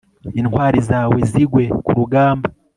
intwari zawe zigwe ku rugamba